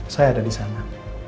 saya ada di sana